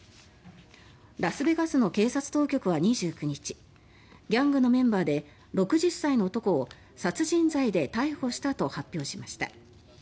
ラスベガスの警察当局は２９日ギャングのメンバーで６０歳の男を殺人罪で逮捕したと発表しました。